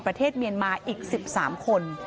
ประเทศเมียนมาอีก๑๓คน